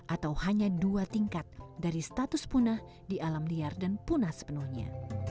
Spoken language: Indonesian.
atau hanya dua tingkat dari status punah di alam liar dan punah sepenuhnya